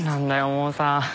もうさ。